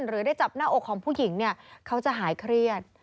หรือได้จับหน้าอกของผู้หญิงเนี่ยเขาจะหายเครียด